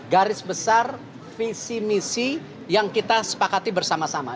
garis besar visi misi yang kita sepakati bersama sama